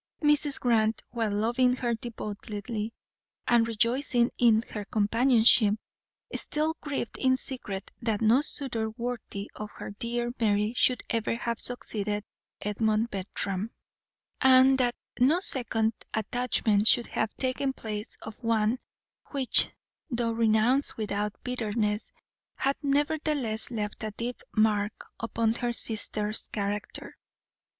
Mrs. Grant, while loving her devotedly and rejoicing in her companionship, still grieved in secret that no suitor worthy of her dear Mary should ever have succeeded Edmund Bertram, and that no second attachment should have taken place of one which, though renounced without bitterness, had nevertheless left a deep mark upon her sister's character.